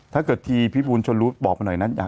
ถ้าเกิดทีพี่บูลชนรู้บอกมาหน่อยนะ